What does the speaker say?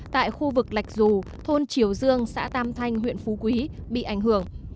tại khu vực lạch dù thôn triều dương xã tam thanh huyện phú quý bị ảnh hưởng